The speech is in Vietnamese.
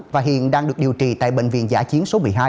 và hiện đang được điều trị tại bệnh viện giả chiến số một mươi hai